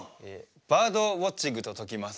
バードウォッチングとときます。